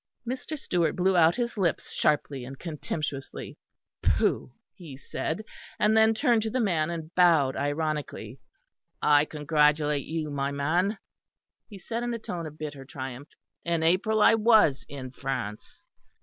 Mr. Stewart blew out his lips sharply and contemptuously. "Pooh," he said; and then turned to the man and bowed ironically. "I congratulate you, my man," he said, in a tone of bitter triumph. "In April I was in France.